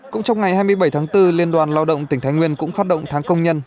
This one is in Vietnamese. cũng trong ngày hai mươi bảy tháng bốn liên đoàn lao động tỉnh thái nguyên cũng phát động tháng công nhân